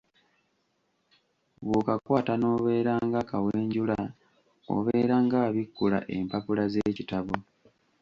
Bw'okakwata n'obeera ng'akawenjula obeera ng'abikkula empapula z'ekitabo.